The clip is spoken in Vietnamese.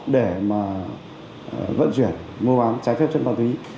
để mà vận chuyển mua bán trái phép chất ma túy